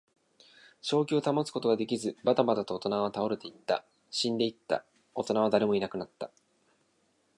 正気を保つことができず、ばたばたと大人は倒れていった。死んでいった。大人は誰もいなくなった。